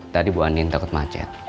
tadi bu andin takut macet